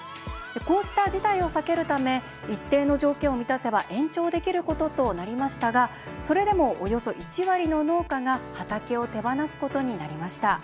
こうした事態を避けるため一定の条件を満たせば延長できることとなりましたがそれでも、およそ１割の農家が畑を手放すことになりました。